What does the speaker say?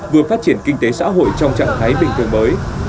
vừa phát triển kinh tế xã hội trong trạng thái bình thường mới